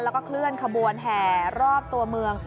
แล้วก็เคลื่อนขบวนแห่รอบตัวเมือง